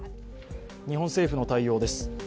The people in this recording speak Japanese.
日本政府の対応です。